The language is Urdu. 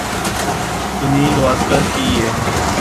سنیل گواسکر کی یہ